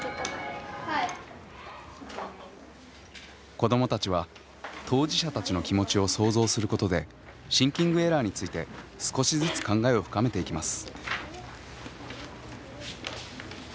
子どもたちは当事者たちの気持ちを想像することでシンキングエラーについて少しずつ考えを深めていきます。